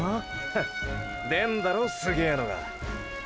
ハ出んだろすげぇのが。